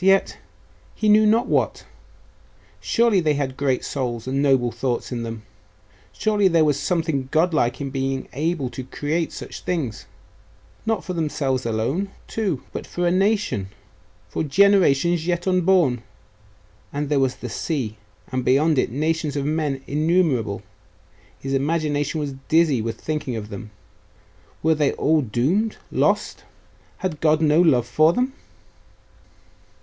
yet.... he knew not what? Surely they had great souls and noble thoughts in them! Surely there was something godlike in being able to create such things! Not for themselves alone, too; but for a nation for generations yet unborn.... And there was the sea.... and beyond it, nations of men innumerable .... His imagination was dizzy with thinking of them. Were they all doomed lost?.... Had God no love for them?